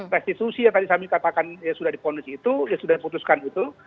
restitusi yang tadi kami katakan sudah diponisi itu sudah diputuskan itu